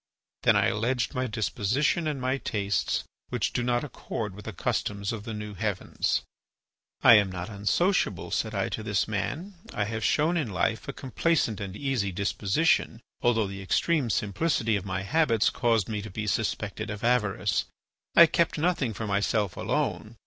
Then I alleged my disposition and my tastes, which do not accord with the customs of the new heavens. "'I am not unsociable,' said I to this man. 'I have shown in life a complaisant and easy disposition, although the extreme simplicity of my habits caused me to be suspected of avarice. I kept nothing for myself alone.